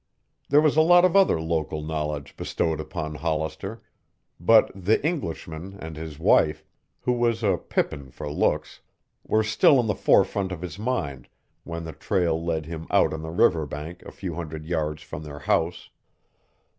There was a lot of other local knowledge bestowed upon Hollister, but "the Englishman" and his wife who was a "pippin" for looks were still in the forefront of his mind when the trail led him out on the river bank a few hundred yards from their house.